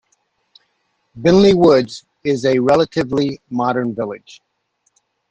Binley Woods is a relatively modern village.